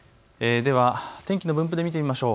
では天気の分布にで見てみましょう。